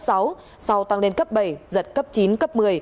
sau tăng lên cấp bảy giật cấp chín cấp một mươi